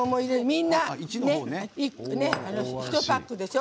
みんな、１パックでしょ